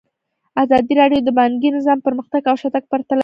ازادي راډیو د بانکي نظام پرمختګ او شاتګ پرتله کړی.